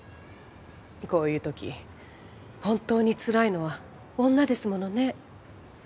こういう時本当につらいのは女ですものね